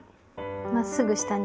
まっすぐ下に。